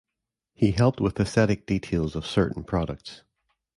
He helped with esthetic details of certain products.